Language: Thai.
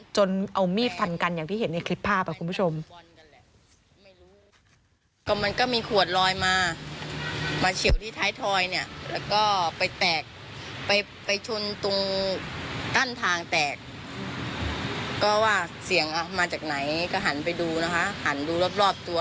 จนเอามีดฟันกันอย่างที่เห็นในคลิปภาพคุณผู้ชม